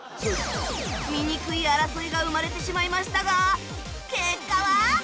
醜い争いが生まれてしまいましたが結果は